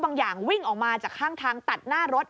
บางอย่างวิ่งออกมาจากข้างทางตัดหน้ารถ